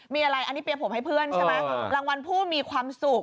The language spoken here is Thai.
มีอะไรอันนี้เปียผมให้เพื่อนใช่ไหมรางวัลผู้มีความสุข